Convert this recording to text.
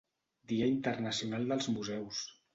Dia Internacional dels Museus.